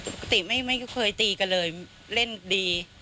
ปกติไม่เคยตีกันเลยเล่นดี